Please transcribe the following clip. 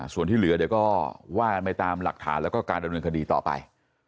ส่วนที่เหลือเดี๋ยวก็ว่ากันไปตามหลักฐานแล้วก็การดำเนินคดีต่อไป